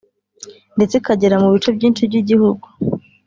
ndetse ikagera mu bice byinshi by’igihugu